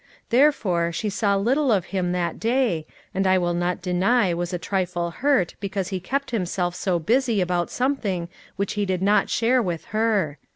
Therefore, she saw little of him that day, and I will not deny was a trifle hurt because he kept himself so busy about something which he did not share with her.